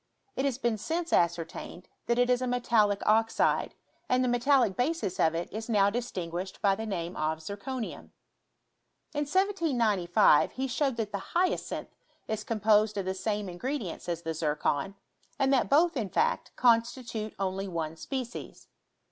It has been since ascertained, that it is a metallic oxide, and the metallic basis of it is now distinguished by the name of zirconium. In 1795 he showed that the hyacinth is composed of the same ingredients as the zircon ; and that both, in fact, constitute only one species.